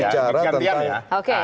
bicara tentang m empat i